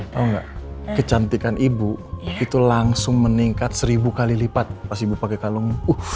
tau gak kecantikan ibu itu langsung meningkat seribu kali lipat pas ibu pake kalung